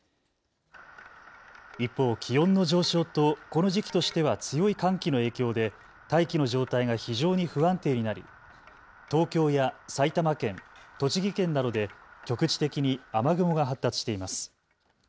一方、気温の上昇とこの時期としては強い寒気の影響で大気の状態が非常に不安定になり東京や埼玉県、栃木県などで局地的に雨雲が発達しています。